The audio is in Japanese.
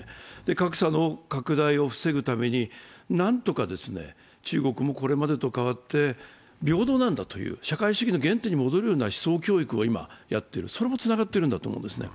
格差の拡大を防ぐために何とか中国もこれまでと変わって、平等なんだという、社会主義の原点に戻るような思想教育を今やっている、それもつながっていると思うんですね。